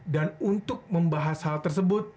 dan untuk membahas hal tersebut